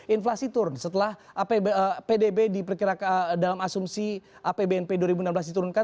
inflasi turun setelah pdb diperkirakan dalam asumsi apbnp dua ribu enam belas diturunkan